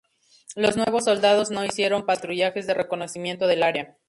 Los nuevos soldados no hicieron patrullajes de reconocimiento del área.